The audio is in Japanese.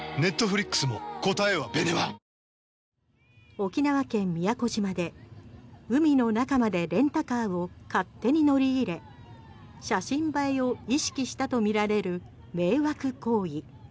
沖縄県・宮古島で海の中までレンタカーを勝手に乗り入れ写真映えを意識したとみられる迷惑行為。